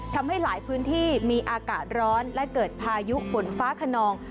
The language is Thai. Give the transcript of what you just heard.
ทำให้หลายพื้นที่มีอากาศร้อนและเกิดพายุฝนฟ้าขนอง